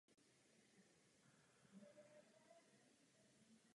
Ve dvouhře dosáhl největšího počtu osmi vítězství Tomáš Berdych.